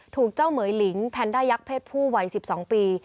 ถูกเจ้าเหมือยหลิงแพนด้ายักษเพศผู้วัย๑๒ปี